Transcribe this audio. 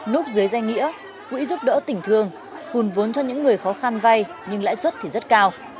núp dưới danh nghĩa quỹ giúp đỡ tỉnh thương hùn vốn cho những người khó khăn vay nhưng lãi suất thì rất cao